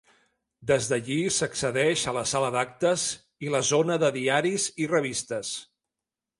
Des d'allí s'accedeix a la sala d’actes i la zona de diaris i revistes.